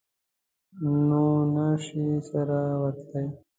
نو نه شي سره ورتلای.